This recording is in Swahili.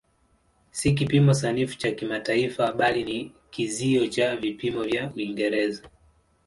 Si kipimo sanifu cha kimataifa bali ni kizio cha vipimo vya Uingereza.